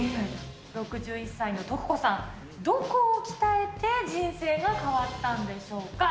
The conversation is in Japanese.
６１歳のとく子さん、どこを鍛えて人生が変わったんでしょうか。